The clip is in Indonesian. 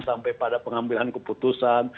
sampai pada pengambilan keputusan